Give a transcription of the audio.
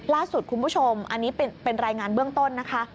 ล่าสุดคุณผู้ชมอันนี้เป็นรายงานเบื้องต้นนะคะ